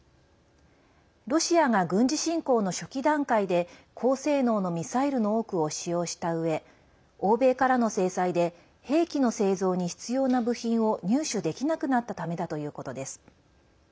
ロシアが軍事侵攻の初期段階で高性能のミサイルの多くを使用したうえ欧米からの制裁で兵器の製造に必要な部品を入手できなくなったためだということです。